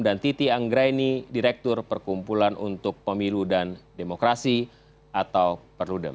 dan titi anggreni direktur perkumpulan untuk pemilu dan demokrasi atau perludem